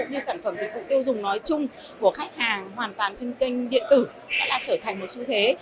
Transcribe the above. và vụ tiêu dùng nói chung của khách hàng hoàn toàn trên kênh điện tử đã là trở thành một xu thế